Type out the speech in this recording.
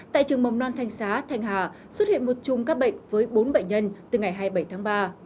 tại trường mầm non thanh xá thanh hà xuất hiện một chùm các bệnh với bốn bệnh nhân từ ngày hai mươi bảy tháng ba